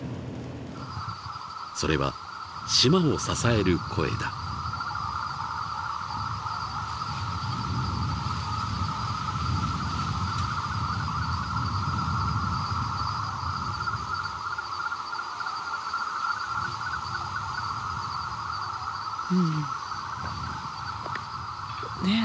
［それは島を支える声だ］ねえ。